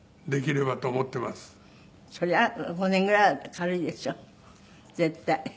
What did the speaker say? そりゃ５年ぐらいは軽いですよ絶対。